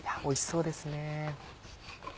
おいしそうですね。